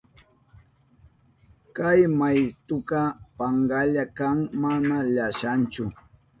Kay maytuka pankalla kan, mana llashanchu.